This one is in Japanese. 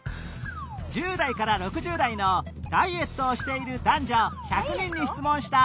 １０代から６０代のダイエットをしている男女１００人に質問した